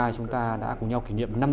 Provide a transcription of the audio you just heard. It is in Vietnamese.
chúng ta đã cùng nhau kỷ niệm năm mươi